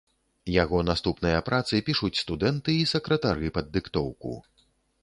Яго наступныя працы пішуць студэнты і сакратары пад дыктоўку.